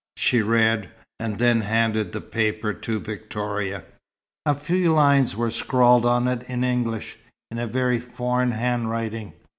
She read, and then handed the paper to Victoria. A few lines were scrawled on it in English, in a very foreign handwriting.